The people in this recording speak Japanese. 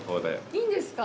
いいんですか？